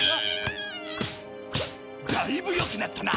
だいぶよくなったな。